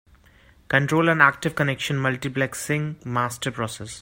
Control an active connection multiplexing master process.